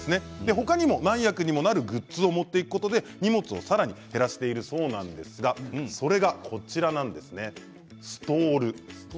他にも何役にもなるグッズを持っていくことで、荷物をさらに減らしているそうなんですがそれがこちらなんですストール。